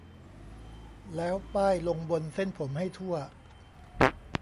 แล้วป้ายลงบนเส้นผมให้ทั่ว